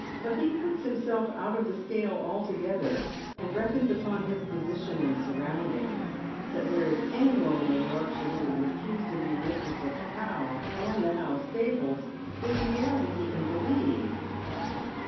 But he puts himself out of the jcale altogether, and reckons upon his position and sun oundings. That there is any woman in Yorkshire who would refuse to be mistress of the How and the How stables is more than he can believe.